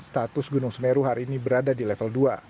status gunung semeru hari ini berada di level dua